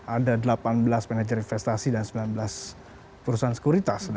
ada delapan belas manajer investasi dan sembilan belas perusahaan sekuritas